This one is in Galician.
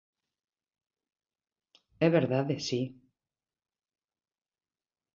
É verdade, si.